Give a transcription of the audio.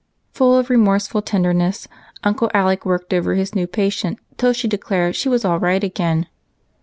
Full of remorseful tenderness. Uncle Alec worked over his new patient till she declared she was all right again.